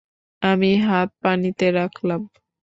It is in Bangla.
আমি হাত পানিতে রাখলাম।